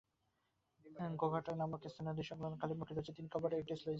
গোঘাটা নামক স্থানে নদীসংলগ্ন খালের মুখে রয়েছে তিন কপাটের একটি স্লুইসগেট।